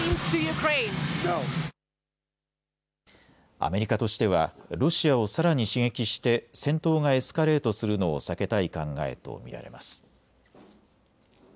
アメリカとしてはロシアをさらに刺激して戦闘がエスカレートするのを避けたい考えと見られます。